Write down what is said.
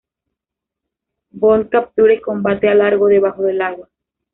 Bond captura y combate a Largo debajo del agua.